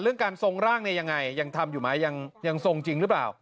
การทรงร่างเนี่ยยังไงยังทำอยู่ไหมยังทรงจริงหรือเปล่า